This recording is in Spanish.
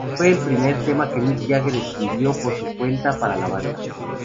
Fue el primer tema que Mick Jagger escribió por su cuenta para la banda.